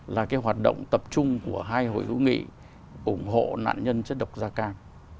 là cái hoạt động tập trung của hai hội hữu nghị ủng hộ nạn nhân chất độc gia càng